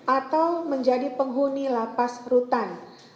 atau menjadi penghuni lapas rutan